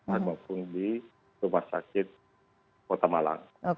ataupun di rumah sakit kota malang